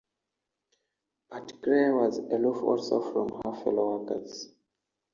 But Clara was aloof also from her fellow-workers.